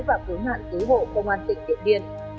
và cứu nạn tứ hộ công an tỉnh điện điên